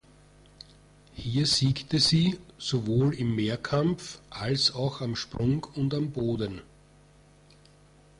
Hier siegte sie sowohl im Mehrkampf als auch am Sprung und am Boden.